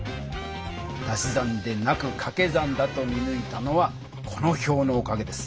足し算でなくかけ算だと見ぬいたのはこの表のおかげです。